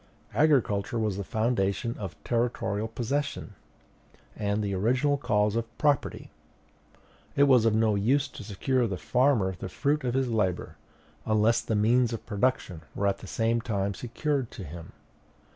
Agriculture was the foundation of territorial possession, and the original cause of property. It was of no use to secure to the farmer the fruit of his labor, unless the means of production were at the same time secured to him.